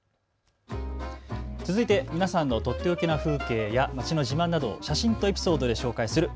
続いて皆さんのとっておきの風景や街の自慢などを写真とエピソードで紹介する＃